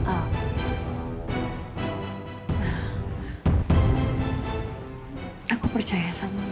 aku percaya sama dia